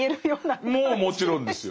もうもちろんですよ。